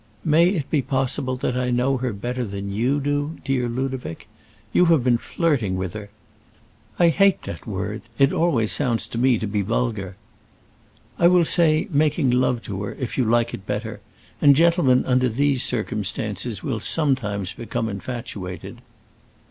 "May it not be possible that I know her better than you do, dear Ludovic? You have been flirting with her " "I hate that word; it always sounds to me to be vulgar." "I will say making love to her, if you like it better; and gentlemen under these circumstances will sometimes become infatuated."